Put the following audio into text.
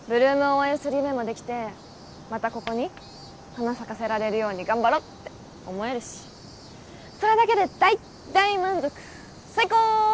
８ＬＯＯＭ応援する夢もできてまたここに花咲かせられるように頑張ろうって思えるしそれだけで大大満足最高！